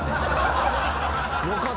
よかった。